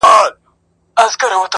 پښتنو واورئ! ډوبېږي بېړۍ ورو ورو-